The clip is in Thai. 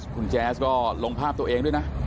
คุณแจ๊สก็ลงภาพตัวเองด้วยนะ